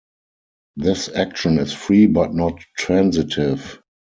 This action is free but not transitive.